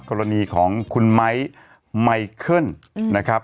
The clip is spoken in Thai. กรณีของคุณไม้ไมเคิลนะครับ